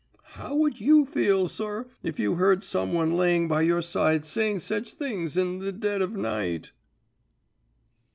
"How would you feel, sir, if you heard some one laying by your side saying sech things in the dead of night?"